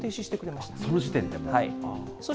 その時点でもう？